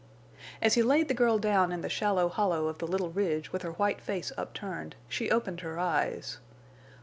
As he laid the girl down in the shallow hollow of the little ridge with her white face upturned, she opened her eyes.